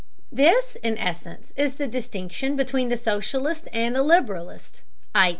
This, in essence, is the distinction between the socialist and the liberalist, _i.